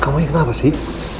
kamu ini kenapa sih